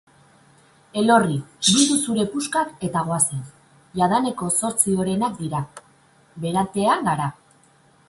Elorri, bildu zure puskak eta goazen, jadaneko zortzi orenak dira, berantean gara!